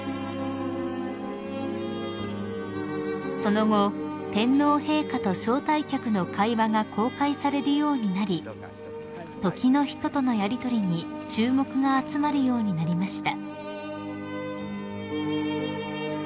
［その後天皇陛下と招待客の会話が公開されるようになり時の人とのやりとりに注目が集まるようになりました］